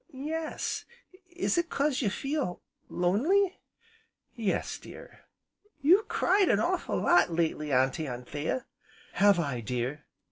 "Yes, is it 'cause you feel lonely?" "Yes dear." "You've cried an awful lot, lately, Auntie Anthea." "Have I, dear?"